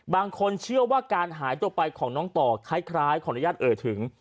เชื่อว่าการหายตัวไปของน้องต่อคล้ายขออนุญาตเอ่ยถึง